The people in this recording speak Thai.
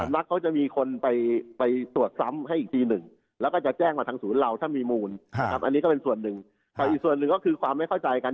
ตัวเช่นเรามีมูลอีกหนึ่งหนึ่งก็คือความไม่เข้าใจกัน